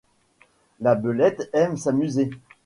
La belette aime s'amuser